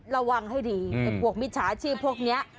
ระวังให้ดีไอ้พวกมิจฉาชีพพวกนี้